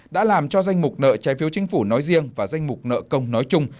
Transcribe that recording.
đã làm cho danh mục nợ trái phiếu chính phủ nói riêng và danh mục nợ công nói chung